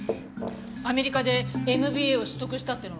アメリカでＭＢＡを取得したっていうのは？